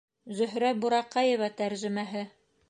Зөһрә Бураҡаева тәржемәһе